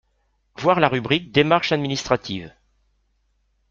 Voir la rubrique démarches administratives.